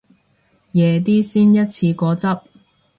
夜啲先一次過執